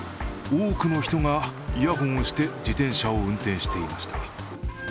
多くの人がイヤホンをして自転車を運転していました。